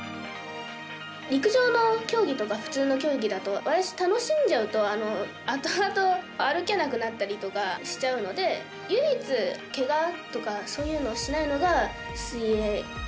陸上の競技とか普通の競技だと私、楽しんじゃうとあとあと歩けなくなったりとかしちゃうので唯一、けがとかそういうのをしないのが水泳。